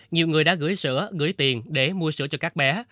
nhiều người đã gửi sữa gửi tiền để mua sữa cho các bé